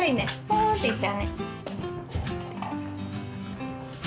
ポーンっていっちゃうね。